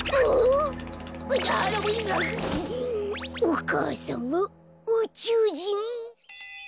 お母さんはうちゅうじん！？